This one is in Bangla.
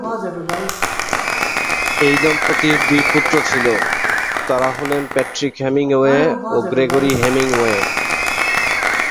এই দম্পতির দুই পুত্র ছিল, তারা হলেন প্যাট্রিক হেমিংওয়ে ও গ্রেগরি হেমিংওয়ে।